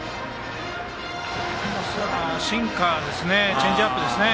シンカーチェンジアップですね。